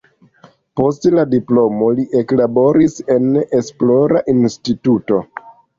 Post la diplomo li eklaboris en esplora instituto.